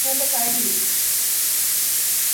এটি সমরেশ বসুর গল্পের ভিত্তিতে চিত্রিত।